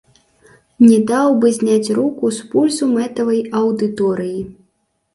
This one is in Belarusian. Не даў бы зняць руку з пульсу мэтавай аўдыторыі.